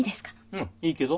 うんいいけど。